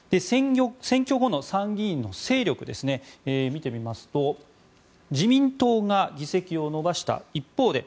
選挙後の参議院の勢力を見てみますと自民党が議席を伸ばした一方で